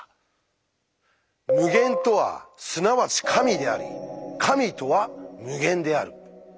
無限とはすなわち「神」であり神とは無限である。